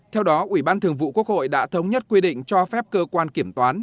theo đó ủy ban thường vụ quốc hội đã thống nhất quy định cho phép cơ quan kiểm toán